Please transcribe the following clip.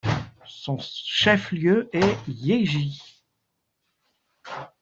Son chef-lieu est Yeji.